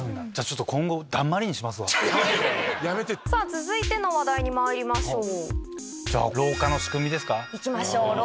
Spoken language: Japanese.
続いての話題にまいりましょう。